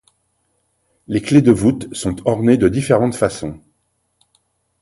Les clés de voûte sont ornées de différentes façons.